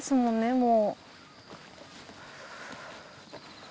もう。